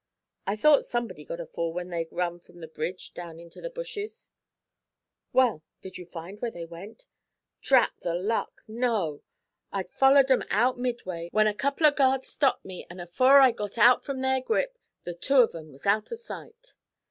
I thought somebody got a fall when they run from the bridge down into the bushes.' 'Well, did you find where they went?' 'Drat the luck! No! I'd follered them out Midway, and was jest a little ways behind, when a couple o' guards stopped me, and afore I'd got out of their grip the two of 'em was out of sight.'